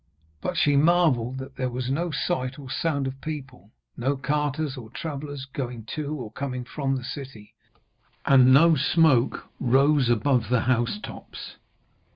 But she marvelled that there was no sight or sound of people; no carters or travellers going to or coming from the city, and no smoke rose above the housetops.